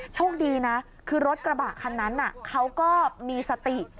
โชคดีนะคือรถกระบะคันนั้นเขาก็มีสติ